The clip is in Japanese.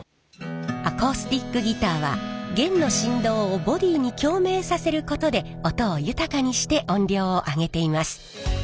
アコースティックギターは弦の振動をボディーに共鳴させることで音を豊かにして音量を上げています。